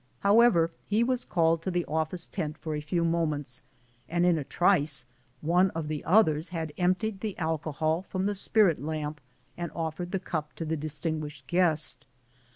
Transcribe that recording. He was called to the office tent a few moments, and in a trice one of the others had emptied the alcohol from the spirit lamp and offered the cup to the distinguished guest.